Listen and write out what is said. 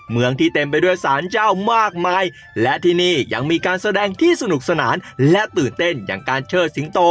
เมืองที่เต็มไปด้วยสารเจ้ามากมายและที่นี่ยังมีการแสดงที่สนุกสนานและตื่นเต้นอย่างการเชิดสิงโต